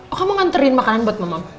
oh kamu nganterin makanan buat mama